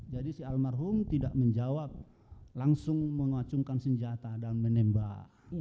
jadi si almarhum tidak menjawab langsung mengacungkan senjata dan menembak